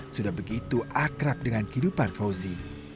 sudah begitu akrab dengan kehidupan fauzi